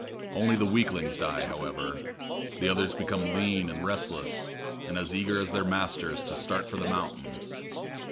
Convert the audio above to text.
Only the weaklings die, however; the others become lean and restless, and as eager as their masters to start for the mountains.